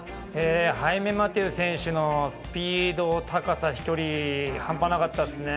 ハイメ・マテウ選手のスピード、高さ、半端なかったですね。